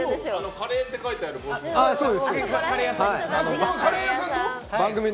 カレーって書いてある帽子に。